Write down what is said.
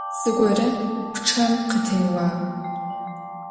Zıgore pççem khıtêuağ.